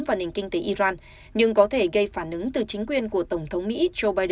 vào nền kinh tế iran nhưng có thể gây phản ứng từ chính quyền của tổng thống mỹ